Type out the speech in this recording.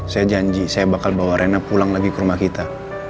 saya janji saya bakal bawa rena pulang lagi ke rumah kita